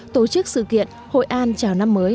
tổ chức sự kiện hội an chào năm mới hai nghìn một mươi chín